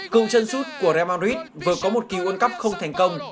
cùng chân sút của real madrid vừa có một kỳ quân cấp không thành công